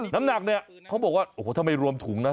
น้ำหนักเนี่ยเขาบอกว่าโอ้โหถ้าไม่รวมถุงนะ